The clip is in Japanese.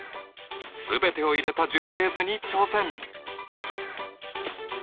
全てを入れた樹形図に挑戦！